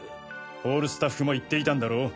ホールスタッフも言っていたんだろう？